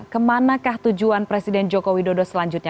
kemanakah tujuan presiden joko widodo selanjutnya